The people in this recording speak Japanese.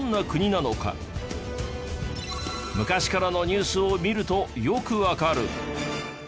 昔からのニュースを見るとよくわかる。